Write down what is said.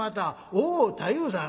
『おお太夫さん